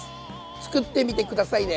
作ってみて下さいね。